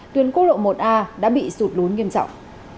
tuyến quốc lộ một a đã bị sụt lún nghiêm trọng